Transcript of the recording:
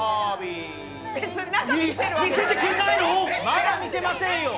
まだ見せませんよ。